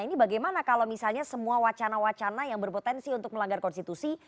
ini bagaimana kalau misalnya semua wacana wacana yang berpotensi untuk melanggar konstitusi